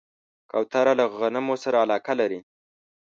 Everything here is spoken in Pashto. کوتره له غنمو سره علاقه لري.